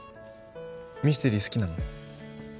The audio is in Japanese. ミステリー好きなの？